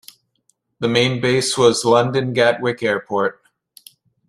The main base was London Gatwick Airport.